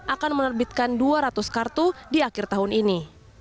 akan menerbitkan dua ratus kartu di akhir tahun ini